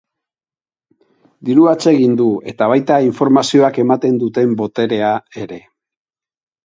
Dirua atsegin du, eta baita informazioak ematen duen boterea ere.